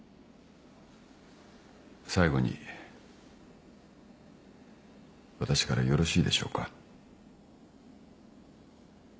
最後に私からよろしいでしょうか。